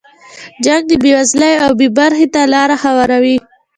جنګ د بې وزلۍ او بې برخې ته لاره هواروي.